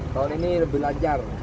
tahun ini lebih lancar